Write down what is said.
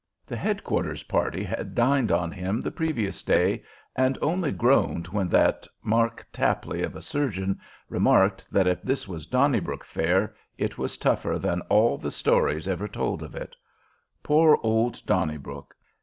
The head quarters party had dined on him the previous day, and only groaned when that Mark Tapley of a surgeon remarked that if this was Donnybrook Fare it was tougher than all the stories ever told of it. Poor old Donnybrook!